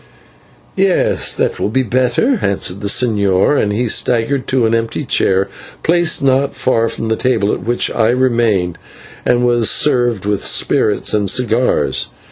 "Yes, that will be better," answered the señor, and he staggered to an empty chair, placed not far from the table at which I remained, and was served with spirits and cigars.